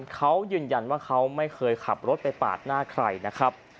เขายืนยันว่าเขาไม่เคยขับรถไปปาดหน้าใครนะครับ